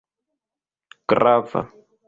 grava